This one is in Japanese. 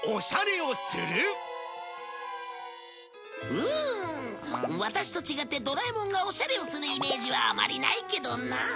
うーんワタシと違ってドラえもんがオシャレをするイメージはあまりないけどな。